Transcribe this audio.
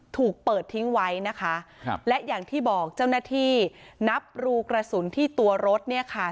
ถูกเปิดทิ้งไว้นะคะครับและอย่างที่บอกเจ้าหน้าที่นับรูกระสุนที่ตัวรถเนี่ยค่ะ